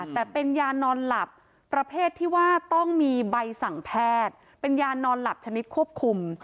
แต่เป็นยานอนหลับประเภทที่ว่าต้องมีใบสั่งแพทย์เป็นยานอนหลับชนิดควบคุม